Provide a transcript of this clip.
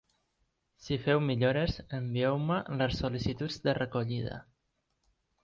Si feu millores, envieu-me les sol·licituds de recollida.